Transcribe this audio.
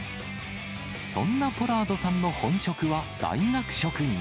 そんなポラードさんの本職は大学職員。